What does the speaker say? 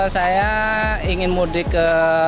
saya ingin mudik ke